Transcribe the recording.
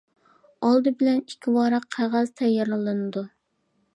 ئالدى بىلەن ئىككى ۋاراق قەغەز تەييارلىنىدۇ.